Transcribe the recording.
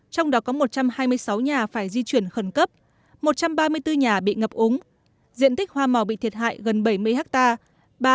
trong đó có một trăm hai mươi sáu nhà phải di chuyển khẩn cấp một trăm ba mươi bốn nhà bị ngập úng diện tích hoa màu bị thiệt hại gần bảy mươi hectare